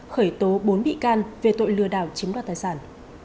khởi tố bốn bị can về tội lừa đảo chiếm đoạt tài sản